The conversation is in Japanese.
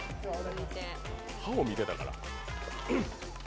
歯を見てたから。